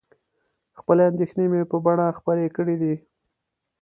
خپلې اندېښنې مې په بڼه خپرې کړي دي.